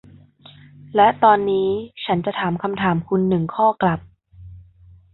และตอนนี้ฉันจะถามคำถามคุณหนึ่งข้อกลับ